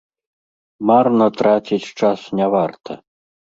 Марна траціць час не варта!